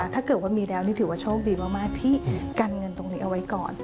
ถ้าเกิดว่ามีแล้วนี่ถือว่าโชคดีมากที่กันเงินตรงนี้เอาไว้ก่อน